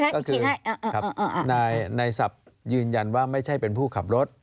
ก็คือนายศัพท์ยืนยันว่าไม่ใช่เป็นผู้ขับรถ